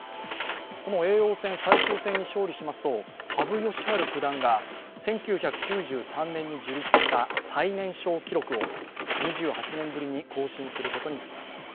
叡王戦最終戦に勝利しますと羽生善治九段が１９９３年に樹立した最年少記録を２８年ぶりに更新することになります。